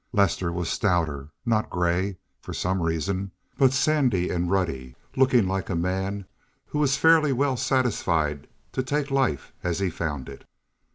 Lester was stouter, not gray, for some reason, but sandy and ruddy, looking like a man who was fairly well satisfied to take life as he found it.